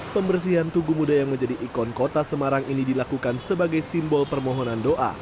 pembersihan tugu muda yang menjadi ikon kota semarang ini dilakukan sebagai simbol permohonan doa